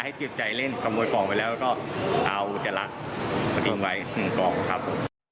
ให้เกียจใจเล่นขโมยกองไปแล้วก็เอาอุจจาระทิ้งไว้กองครับ